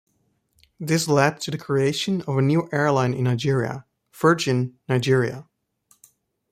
This led to the creation of a new airline in Nigeria - Virgin Nigeria.